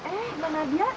eh mana dia